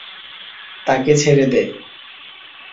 তাকে ছেড়ে দে।